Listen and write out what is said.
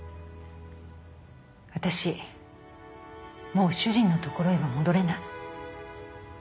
私もう主人のところへは戻れない。